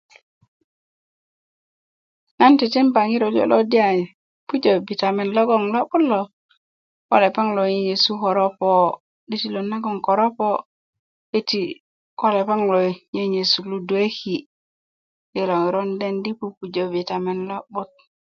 nan titmba ŋiro liyo lo di a pujö bitamen logon a lo'but lo ko lepeŋ lo yeyesu koropo 'detilön nagon koropo köti ko lepeŋ lo nyenyesu ludueki ilo ŋiro 'n dendi pupujo bitammen loŋ lo'but